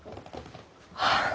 はあ。